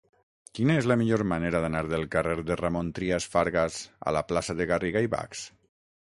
Quina és la millor manera d'anar del carrer de Ramon Trias Fargas a la plaça de Garriga i Bachs?